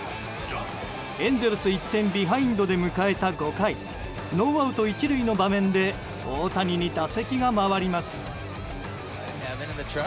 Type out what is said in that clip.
エンゼルス１点ビハインドで迎えた５回ノーアウト１塁の場面で大谷に打席が回ります。